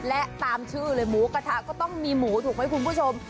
และตามชื่อเลยหมูกระทะก็ต้องมีหมูถูกไหมคุณผู้ชม